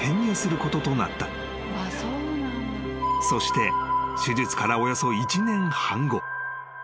［そして手術からおよそ１年半後］